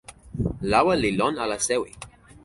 lawa li lon ala sewi